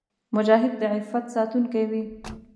مجاهد د عفت ساتونکی وي.